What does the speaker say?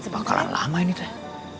bakalan lama ini teh